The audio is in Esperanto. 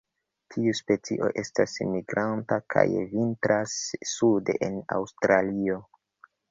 Tiu specio estas migranta, kaj vintras sude en Aŭstralio.